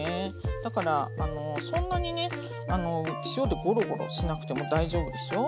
だからそんなにね塩でゴロゴロしなくても大丈夫ですよ。